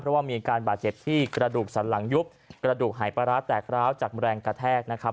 เพราะว่ามีอาการบาดเจ็บที่กระดูกสันหลังยุบกระดูกหายปลาร้าแตกร้าวจากแรงกระแทกนะครับ